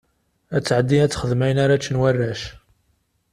Ad tɛeddi ad texdem ayen ara ččen warrac.